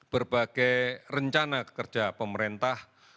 berbagai rencana kerja pemerintah